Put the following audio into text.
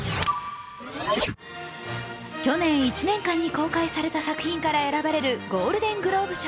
去年、１年間に公開された作品から選ばれるゴールデン・グローブ賞。